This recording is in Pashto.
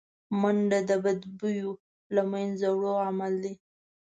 منډه د بدبویو له منځه وړو عمل دی